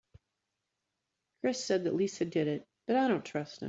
Chris said that Lisa did it but I dont trust him.